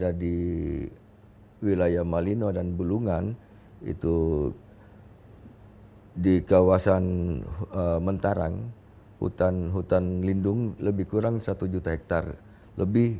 ada di wilayah malino dan bulungan itu di kawasan mentarang hutan lindung lebih kurang satu juta hektare lebih